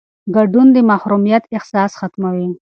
ګډون د محرومیت احساس ختموي